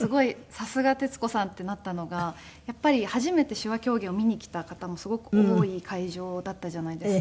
さすが徹子さんってなったのがやっぱり初めて手話狂言を見に来た方もすごく多い会場だったじゃないですか。